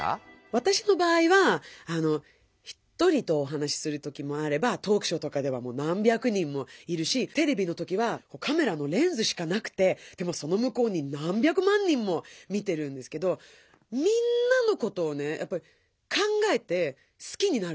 わたしの場合は一人とお話しする時もあればトークショーとかでは何百人もいるしテレビの時はカメラのレンズしかなくてでもそのむこうに何百万人も見てるんですけどみんなのことを考えてすきになるんです。